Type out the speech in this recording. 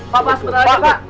pak pak sebentar aja pak